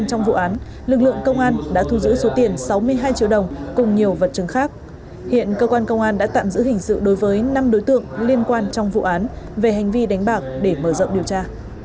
cơ quan đã tạm giữ hình sự đối với năm đối tượng liên quan trong vụ án về hành vi đánh bạc để mở rộng điều tra